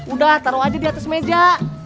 udah taruh aja di atas meja